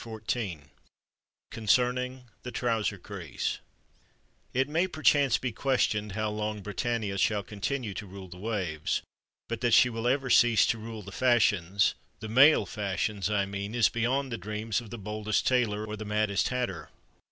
CONCERNING THE TROUSER CREASE It may perchance be questioned how long Britannia shall continue to rule the waves, but that she will ever cease to rule the fashions (the male fashions, I mean) is beyond the dreams of the boldest tailor or the maddest hatter.